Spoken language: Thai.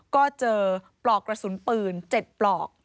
ก็เจอปลอกกระสุนปืน๗ปลอก